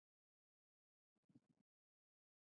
تالابونه د افغانستان د موسم د بدلون سبب کېږي.